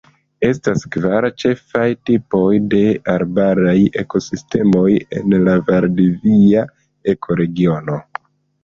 Estas kvar ĉefaj tipoj de arbaraj ekosistemoj en la valdivia ekoregiono.